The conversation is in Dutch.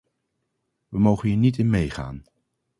We mogen hier niet in mee gaan.